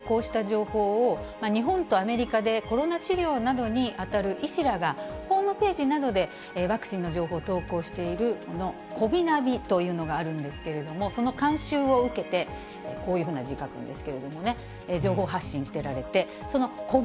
デマを信じる可能性が上がってくるということを忘れないでいただ大臣はこうした情報を、日本とアメリカでコロナ治療などに当たる医師らが、ホームページなどでワクチンの情報を投稿している、こびナビというのがあるんですけれども、その監修を受けて、こういうふうな字書くんですけれどもね、情報発信してられて、そのこび